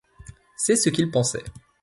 C'est ce qu'il pensait.